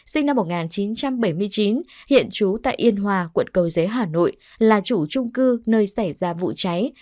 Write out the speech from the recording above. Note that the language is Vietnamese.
sinh năm một nghìn chín trăm bảy mươi chín hiện trú tại yên hòa quận cầu giấy hà nội là chủ trung cư nơi xảy ra vụ cháy